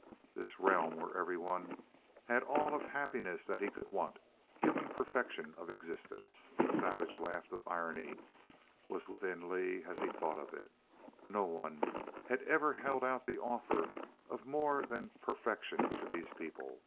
This realm where everyone had all of happiness that he could want! Human perfection of existence. A savage laugh of irony was within Lee as he thought of it. No one had ever held out the offer of more than perfection to these people.